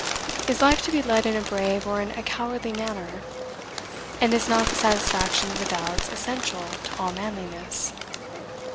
Is life to be led in a brave or in a cowardly manner? and is not the satisfaction of the doubts essential to all manliness?